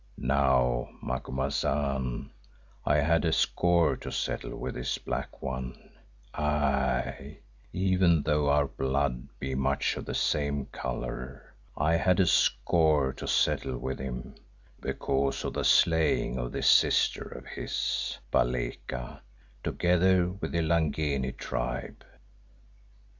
Now, Macumazahn, I had a score to settle with this Black One, aye, even though our blood be much of the same colour, I had a score to settle with him, because of the slaying of this sister of his, Baleka, together with the Langeni tribe.